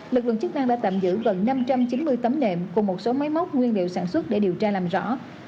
lực lượng chức năng đã tạm giữ gần năm trăm chín mươi tấm nệm cùng một số máy móc nguyên liệu sản xuất để điều tra làm rõ